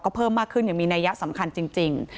ก็เพิ่มมากขึ้นอย่างมีนัยยะสำคัญจริง